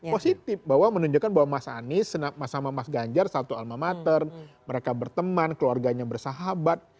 positif bahwa menunjukkan bahwa mas anies sama mas ganjar satu alma mater mereka berteman keluarganya bersahabat